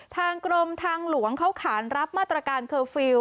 ทางกรมทางหลวงเขาขานรับมาตรการเคอร์ฟิลล